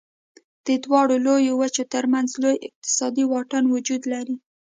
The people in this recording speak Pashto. د دواړو لویو وچو تر منځ لوی اقتصادي واټن وجود لري.